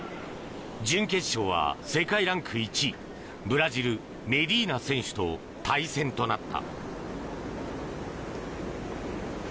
準決勝は世界ランク１位ブラジル、メディーナ選手と対戦となった。